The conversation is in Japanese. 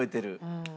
うん。